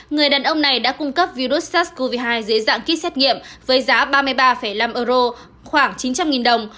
người đàn ông này đã cung cấp virus sars cov hai dưới dạng kýt xét nghiệm với giá ba mươi ba năm euro khoảng chín trăm linh đồng